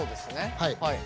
はい。